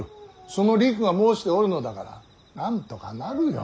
そのりくが申しておるのだからなんとかなるよ。